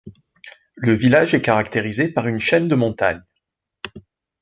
Le village est caractérisé par une chaîne de montagnes.